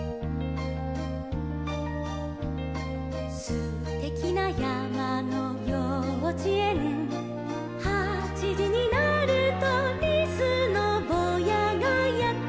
「すてきなやまのようちえん」「はちじになると」「リスのぼうやがやってきます」